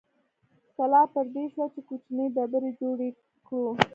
سلا پر دې شوه چې کوچنۍ ډبرې جوړې کړو.